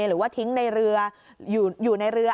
หรือว่าทิ้งในเรืออยู่ในเรือ